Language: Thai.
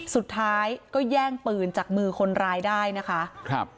สุดท้ายก็แย่งปืนจากมือคนร้ายได้นะคะครับ